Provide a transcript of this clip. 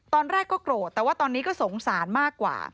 ตอนแรกก็โกรธแต่ว่าตอนนี้ก็สงสารมากกว่า